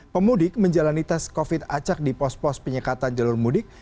pemudik menjalani tes covid acak di pos pos penyekatan jalur mudik